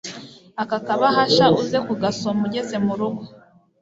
aka kabahashauze kugasoma ugeze murugo